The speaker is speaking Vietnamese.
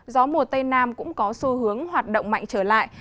gió mùa tây nam cũng có xu hướng hoạt động mạnh trở lại